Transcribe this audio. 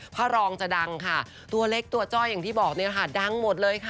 พระรองจะดังค่ะตัวเล็กตัวจ้อยอย่างที่บอกเนี่ยค่ะดังหมดเลยค่ะ